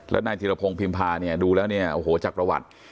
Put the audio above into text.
และในธิรพงศ์พิมพาดูแล้วเนี่ยจากประวัติ